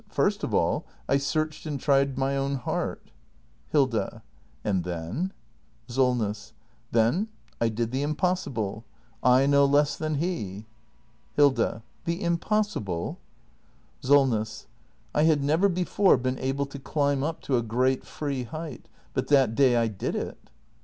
First of all, I searched and tried my own heart Hilda. And then ? Solness. Then I did the i m p o s s i b 1 e — I no less than h e. Hilda. The impossible? act in] THE MASTER BUILDER 425 SOLNESS. I had never before been able to climb up to a great, free height. But that day I did it.